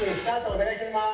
お願いします。